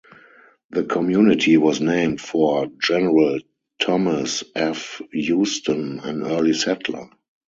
The community was named for General Thomas F. Houston, an early settler.